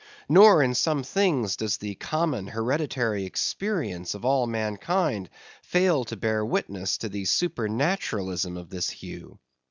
Nor, in some things, does the common, hereditary experience of all mankind fail to bear witness to the supernaturalism of this hue.